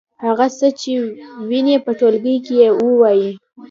هغه څه چې وینئ په ټولګي کې ووایئ.